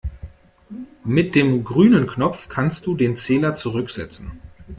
Mit dem grünen Knopf kannst du den Zähler zurücksetzen.